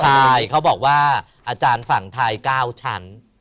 ใช่เขาบอกว่าอาจารย์ฝั่งไทย๙ชั้น